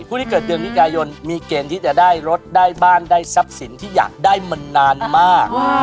ผู้ที่เกิดเดือนมิกายนมีเกณฑ์ที่จะได้รถได้บ้านได้ทรัพย์สินที่อยากได้มานานมาก